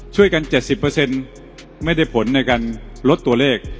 ๗๐ไม่ได้ผลในการลดตัวเลข